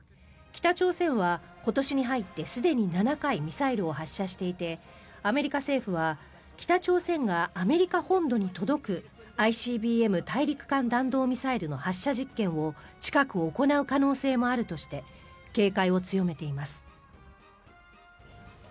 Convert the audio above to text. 北朝鮮は今年に入ってすでに７回ミサイルを発射していてアメリカ政府は北朝鮮がアメリカ本土に届くＩＣＢＭ・大陸間弾道ミサイルの発射実験を近く行う可能性もあるとして警戒を強めています。